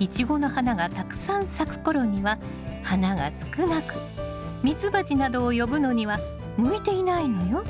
イチゴの花がたくさん咲く頃には花が少なく蜜蜂などを呼ぶのには向いていないのよ。